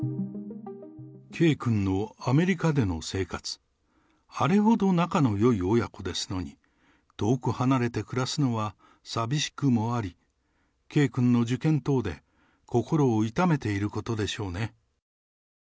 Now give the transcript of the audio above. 圭君のアメリカでの生活、あれほど仲のよい親子ですのに、遠く離れて暮らすのは寂しくもあり、圭君の受験等で心を痛めていることでしょうね。